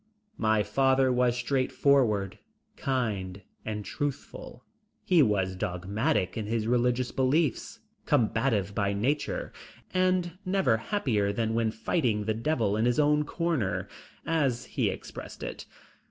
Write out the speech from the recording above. My father was straightforward, honest, kind and truthful. He was dogmatic in his religious beliefs, combative by nature and never happier than when fighting the Devil in his own corner, as he expressed it.